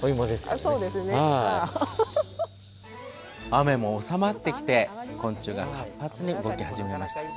雨も収まってきて昆虫が活発に動き始めました。